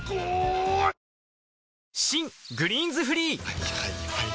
はいはいはいはい。